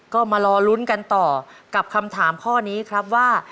ก็มารอลุ้นกันต่อกับคำถามข้อนี้ครับว่า